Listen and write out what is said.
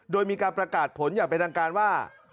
โดยมีการประกาศผลอย่างเป็นทางการว่า